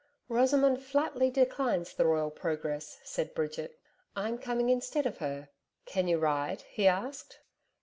'Rosamond flatly declines the Royal Progress,' said Bridget. 'I'm coming instead of her.' 'Can you ride?' he asked.